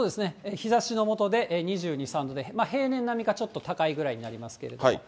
日ざしの下で、２２、３度で、平年並みかちょっと高いぐらいになりますけれども。